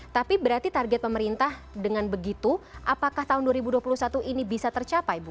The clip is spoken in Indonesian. tapi berarti target pemerintah dengan begitu apakah tahun dua ribu dua puluh satu ini bisa tercapai bu